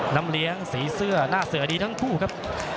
น้ำเลี้ยงสีเสื้อหน้าเสือดีทั้งคู่ครับ